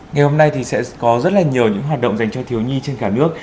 ngày hôm nay thì sẽ có rất là nhiều những hoạt động dành cho thiếu nhi trên cả nước